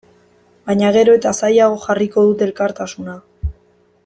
Baina gero eta zailago jarriko dute elkartasuna.